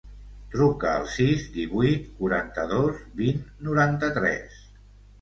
Truca al sis, divuit, quaranta-dos, vint, noranta-tres.